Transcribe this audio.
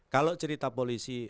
kalau cerita polisi